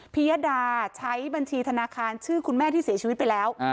ยดาใช้บัญชีธนาคารชื่อคุณแม่ที่เสียชีวิตไปแล้ว